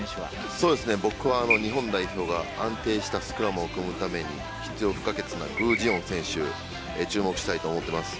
僕は日本代表が安定したスクラムを組むために必要不可欠な具智元選手に注目したいと思ってます。